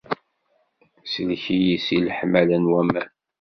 Sellek-iyi si lḥemla n waman.